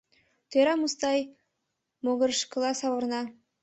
Тӧра Мустай могырышкыла савырна.